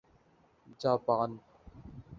Japan